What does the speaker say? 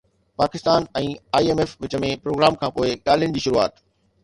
Pakistan ۽ I M F وچ ۾ programme کانپوءِ ڳالهين جي شروعات